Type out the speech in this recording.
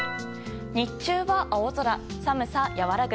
日中は青空、寒さ和らぐ。